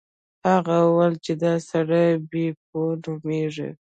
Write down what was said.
هغه وویل چې دا سړی بیپو نومیږي.